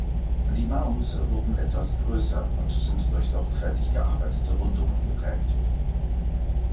Die Mounds wurden etwas größer und sind durch sorgfältig gearbeitete Rundungen geprägt.